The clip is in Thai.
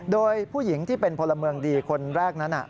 โดยผู้หญิงที่เป็นพลเมืองดีคนแรกนั้น